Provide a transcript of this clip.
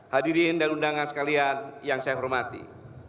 hadirin dan undangan sekalian yang saya hormati